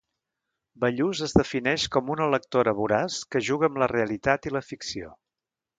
Ballús es defineix com una lectora voraç que juga amb la realitat i la ficció.